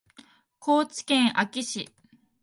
高知県安芸市